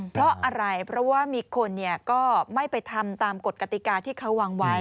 เพราะอะไรเพราะว่ามีคนก็ไม่ไปทำตามกฎกติกาที่เขาวางไว้